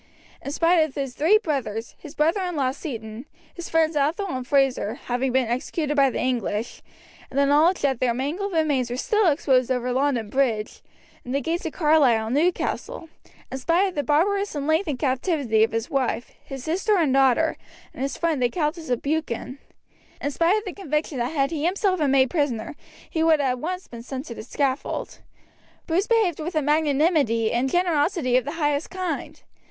In spite of his three brothers, his brother in law Seaton, his friends Athole and Frazer, having been executed by the English, and the knowledge that their mangled remains were still exposed over London Bridge and the gates of Carlisle and Newcastle in spite of the barbarous and lengthened captivity of his wife, his sister and daughter, and his friend the Countess of Buchan in spite of the conviction that had he himself been made prisoner he would at once have been sent to the scaffold Bruce behaved with a magnanimity and generosity of the highest kind.